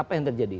apa yang terjadi